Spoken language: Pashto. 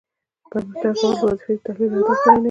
شپیتم سوال د وظیفې د تحلیل اهداف بیانوي.